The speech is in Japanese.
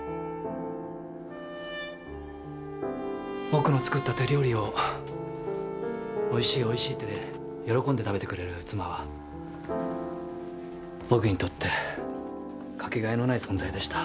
僕の作った手料理をおいしいおいしいって喜んで食べてくれる妻は僕にとってかけがえのない存在でした。